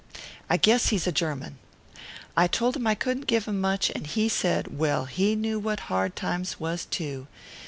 I guess he's a German. I told him I couldn't give much, and he said, well, he knew what hard times was too.